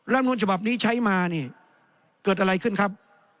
นุนฉบับนี้ใช้มานี่เกิดอะไรขึ้นครับ